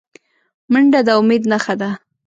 منډه د امید نښه ده